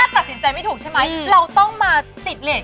ตัดสินใจไม่ถูกอะทำไงดีอะ